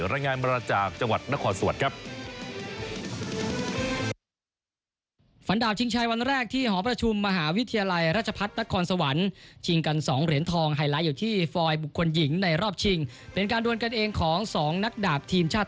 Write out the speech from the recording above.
รายงานมาจากจังหวัดนครสวรรค์ครับ